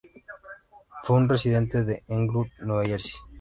Fue un residente de Englewood, Nueva Jersey.